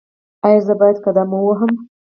ایا زه باید قدم ووهم؟